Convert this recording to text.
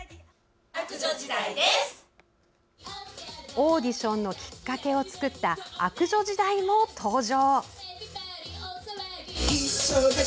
オーディションのきっかけを作った悪女時代も登場。